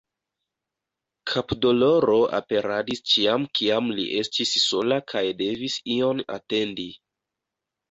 Kapdoloro aperadis ĉiam kiam li estis sola kaj devis ion atendi.